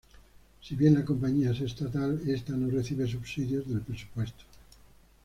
Si bien la compañía es estatal, esta no recibe subsidios del presupuesto.